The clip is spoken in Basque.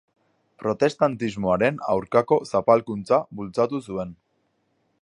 Protestantismoaren aurkako zapalkuntza bultzatu zuen.